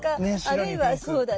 あるいはそうだね